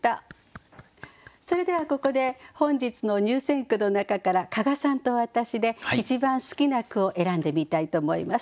それではここで本日の入選句の中から加賀さんと私で一番好きな句を選んでみたいと思います。